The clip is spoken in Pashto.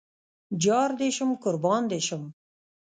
جار دې شم قربان دې شم